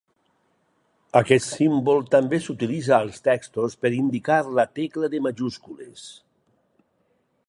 Aquest símbol també s'utilitza als textos per indicar la tecla de majúscules.